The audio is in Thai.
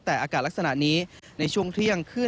แต่อากาศลักษณะนี้ในช่วงเที่ยงขึ้น